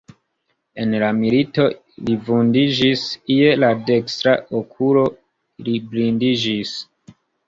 En la milito li vundiĝis, je la dekstra okulo li blindiĝis.